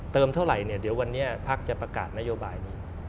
เติมเท่าไหร่เดี๋ยววันนี้ภักดิ์จะประกาศนโยบายนี้